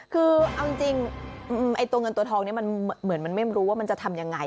คือเอาจริงตัวเงินตัวทองนี้มันเหมือนมันไม่รู้ว่ามันจะทำยังไง